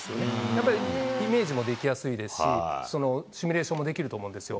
やっぱりイメージもできやすいですし、シミュレーションもできると思うんですよ。